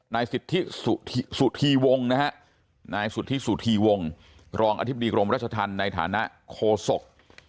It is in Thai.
นายสุธิวงศ์นายสุธิสุธิวงศ์รองอธิบดีกรมราชธรรมในฐานะโคศก